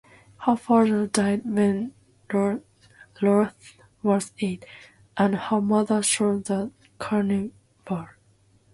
Her father died when Ruth was eight, and her mother sold the carnival.